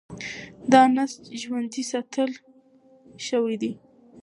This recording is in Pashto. دا نسج ژوندي ساتل شوی دی.